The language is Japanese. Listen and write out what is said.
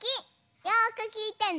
よくきいてね。